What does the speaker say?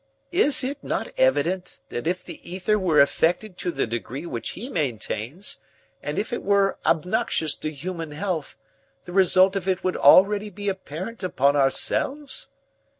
Is it not evident that if the ether were affected to the degree which he maintains, and if it were obnoxious to human health, the result of it would already be apparent upon ourselves?"